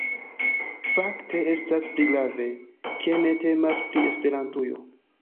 Fakte, estas pli grave, ke ne temas pri Esperantujo